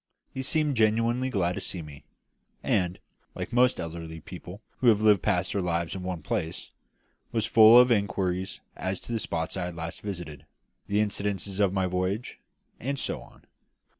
He seemed genuinely glad to see me; and, like most elderly people who have passed their lives in one place, was full of inquiries as to the spots I had last visited, the incidents of my voyage, and so on.